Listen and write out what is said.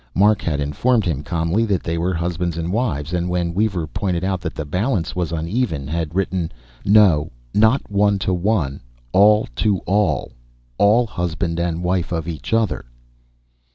Mark had informed him calmly that they were husbands and wives; and when Weaver pointed out that the balance was uneven, had written, "No, not one to one. All to all. All husband and wife of each other."